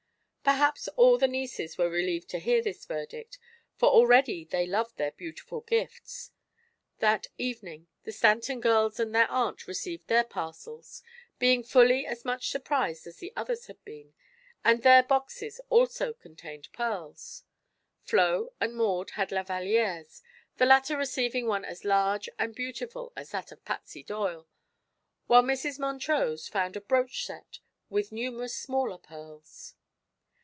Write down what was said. Perhaps all the nieces were relieved to hear this verdict, for already they loved their beautiful gifts. That evening the Stanton girls and their Aunt Jane received their parcels, being fully as much surprised as the others had been, and their boxes also contained pearls. Flo and Maud had lavallieres, the latter receiving one as large and beautiful as that of Patsy Doyle, while Mrs. Montrose found a brooch set with numerous smaller pearls.